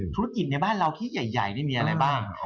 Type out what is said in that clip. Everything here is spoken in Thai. ธุรกิจในบ้านเราที่ใหญ่นี่มีอะไรบ้าง